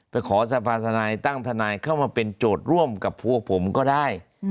ขอสภาธนายตั้งทนายเข้ามาเป็นโจทย์ร่วมกับพวกผมก็ได้